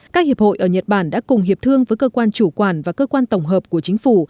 các hiệp hội ở nhật bản đã cùng hiệp thương với cơ quan chủ quản và cơ quan tổng hợp của chính phủ